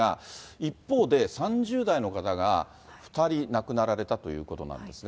一方で３０代の方が２人亡くなられたということなんですが。